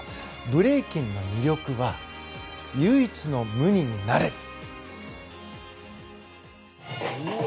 ブレイキンの魅力は唯一の無二になれる。